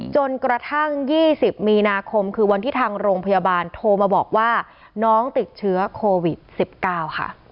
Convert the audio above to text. จนกระทั่ง๒๐มีนาคมคือวันที่ทางโรงพยาบาลโทรมาบอกว่าน้องติดเชื้อโควิด๑๙ค่ะ